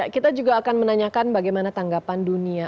kita juga akan menanyakan bagaimana tanggapan dunia